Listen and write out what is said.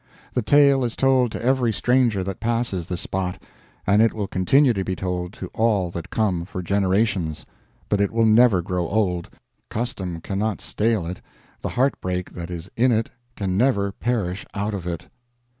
The tale is told to every stranger that passes the spot, and it will continue to be told to all that come, for generations; but it will never grow old, custom cannot stale it, the heart break that is in it can never perish out of it.